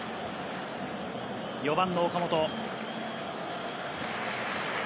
４番の岡本。